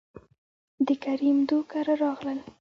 دکريم دو کره راغلل،